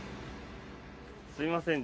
すみません。